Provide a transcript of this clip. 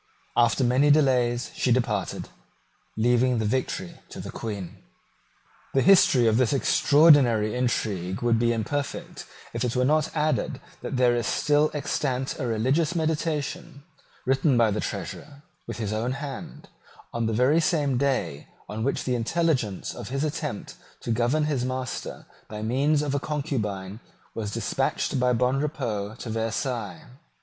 After many delays she departed, leaving the victory to the Queen. The history of this extraordinary intrigue would be imperfect, if it were not added that there is still extant a religious meditation, written by the Treasurer, with his own hand, on the very same day on which the intelligence of his attempt to govern his master by means of a concubine was despatched by Bonrepaux to Versailles.